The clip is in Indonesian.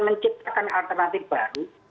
menciptakan alternatif baru